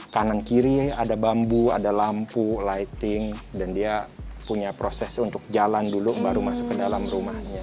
kanan kiri ada bambu ada lampu lighting dan dia punya proses untuk jalan dulu baru masuk ke dalam rumahnya